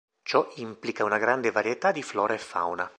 Ciò implica una grande varietà di flora e fauna.